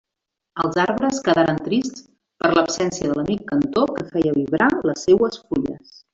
Els arbres quedaren trists per l'absència de l'amic cantor que feia vibrar les seues fulles.